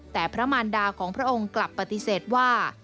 แต่พระมารดาของพระองค์กลับปฏิเสธว่า